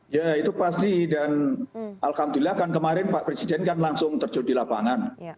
ya itu pasti dan alhamdulillah kan kemarin pak presiden kan langsung terjun di lapangan